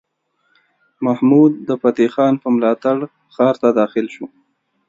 محمود د فتح خان په ملاتړ ښار ته داخل شو.